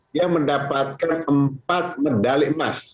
dia mendapatkan empat medali emas